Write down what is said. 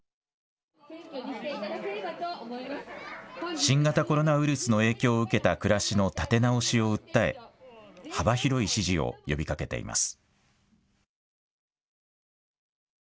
新型コロナウイルスの影響を受けた暮らしの立て直しを訴え、幅広い支持を呼びかけています。